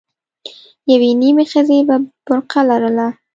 يوې نيمې ښځې به برقه لرله.